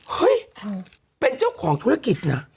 เฮ้ยเป็นเจ้าของธุรกิจน่ะ